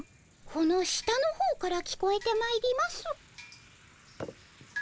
この下のほうから聞こえてまいります。